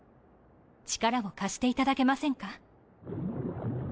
力を貸していただけませんか？